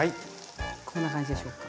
こんな感じでしょうか。